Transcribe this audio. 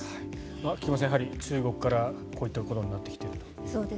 菊間さん、やはり中国からこういったことになってきているということです。